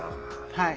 はい。